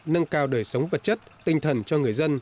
nâng cao đời sống vật chất tinh thần cho người dân